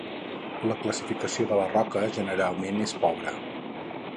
La classificació de la roca generalment és pobra.